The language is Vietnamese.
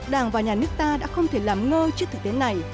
đảng và nhà nước ta đã không thể làm ngơ trước thời tiết này